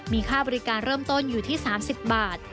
มีค่าบริการเริ่มต้นอยู่ที่๓๐บาท